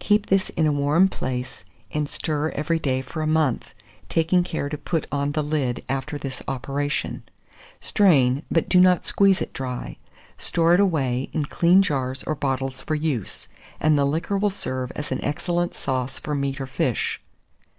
Keep this in a warm place, and stir every day for a month, taking care to put on the lid after this operation; strain, but do not squeeze it dry; store it away in clean jars or bottles for use, and the liquor will serve as an excellent sauce for meat or fish.